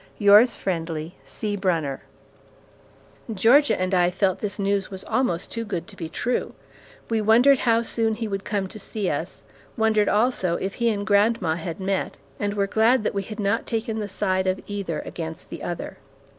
Yours friendly, C. BRUNNER Georgia and I felt this news was almost too good to be true. We wondered how soon he would come to see us; wondered also, if he and grandma had met, and were glad that we had not taken the side of either against the other.